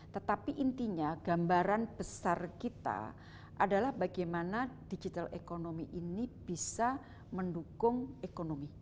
tetapi intinya gambaran besar kita adalah bagaimana digital ekonomi ini bisa mendukung ekonomi